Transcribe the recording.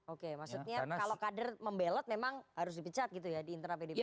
oke maksudnya kalau kader membelot memang harus dipecat gitu ya di internal pdi perjuangan